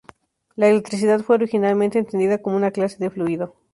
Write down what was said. La electricidad fue originalmente entendida como una clase de fluido.